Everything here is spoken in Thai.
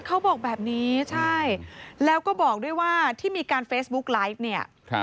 เขาบอกแบบนี้ใช่แล้วก็บอกด้วยว่าที่มีการเฟซบุ๊กไลฟ์เนี่ย